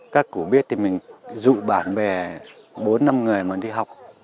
các cụ biết thì mình dụ bạn bè bốn năm người mà đi học